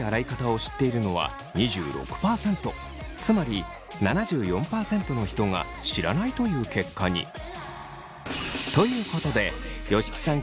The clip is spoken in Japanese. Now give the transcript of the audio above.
つまり７４％の人が知らないという結果に。ということで吉木さん